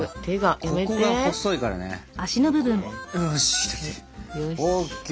よし！ＯＫ！